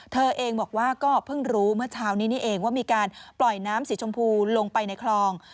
เธอเองบอกว่าก็เพิ่งรู้เมื่อเช้านี้นี่เองว่ามีการปล่อยน้ำสีชมพูลงไปในคลอง